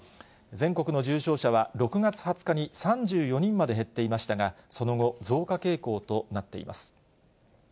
全国の重症者は６月２０日に３４人まで減っていましたが、その後、増加傾向となっています。